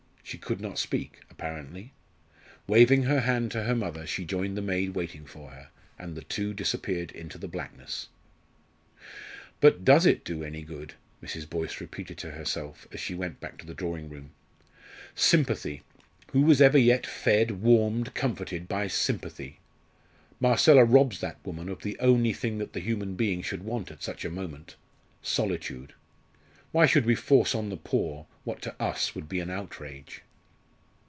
She could not speak, apparently. Waving her hand to her mother, she joined the maid waiting for her, and the two disappeared into the blackness. "But does it do any good?" Mrs. Boyce repeated to herself as she went back to the drawing room. "Sympathy! who was ever yet fed, warmed, comforted by sympathy? Marcella robs that woman of the only thing that the human being should want at such a moment solitude. Why should we force on the poor what to us would be an outrage?"